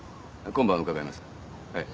今晩伺いますはい。